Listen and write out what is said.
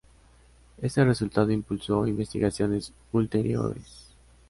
Este resultado impulsó investigaciones ulteriores.